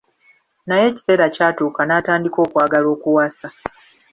Naye ekiseera kyatuuka n'atandika okwagala okuwasa.